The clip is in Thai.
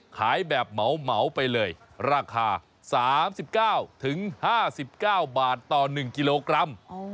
ขายแบบเหมาไปเลยราคา๓๙๕๙บาทต่อ๑กิโลกรัม